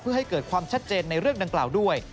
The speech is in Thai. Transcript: เพื่อให้เกิดความชัดเจนในเรื่องดังกล่าวด้วย